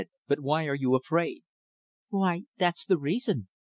But why are you afraid?" "Why, that's the reason.